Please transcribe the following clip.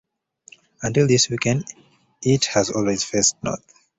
Until this weekend, it has always faced north.